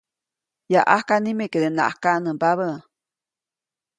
Yaʼajka nimekedenaʼajk kaʼnämba.